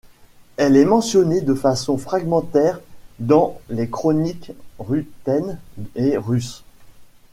Elle est mentionnée de façon fragmentaire dans les chroniques ruthènes et russes.